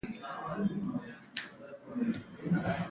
د ښځو لپاره د بازار ځانګړي ځایونه شته